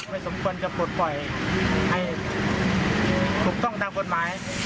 สมควรจะปลดปล่อยให้ถูกต้องตามกฎหมาย